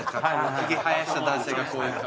ヒゲ生やした男性がこういう髪。